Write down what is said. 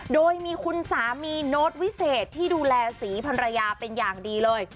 โดยมีคุณสามีโน้ตวิเศษที่ดูแลสีพันรยาเป็นอย่างดีเลย